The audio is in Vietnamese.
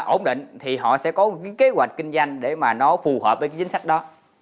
ổn định thì họ sẽ có kế hoạch kinh doanh để mà nó phù hợp với chính sách đó